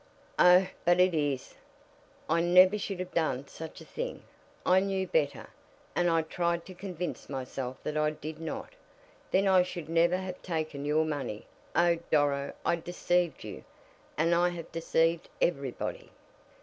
"Oh, but it is! I never should have done such a thing. I knew better, and I tried to convince myself that I did not. Then I should never have taken your money. Oh, Doro, I deceived you, and I have deceived everybody!"